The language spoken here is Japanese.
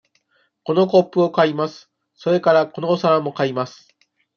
このコップを買います。それから、このお皿も買います。